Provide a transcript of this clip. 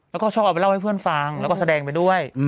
แล้วก็ชอบเอาไปเล่าให้เพื่อนฟังแล้วก็แสดงไปด้วย